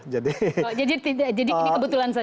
jadi ini kebetulan saja